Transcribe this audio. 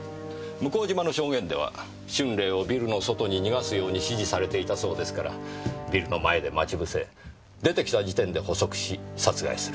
向島の証言では春麗をビルの外に逃がすように指示されていたそうですからビルの前で待ち伏せ出てきた時点で捕捉し殺害する。